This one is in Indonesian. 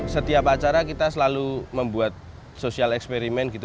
setiap acara kita selalu membuat sosial eksperimen gitu